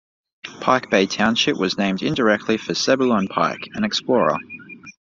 Pike Bay Township was named indirectly for Zebulon Pike, an explorer.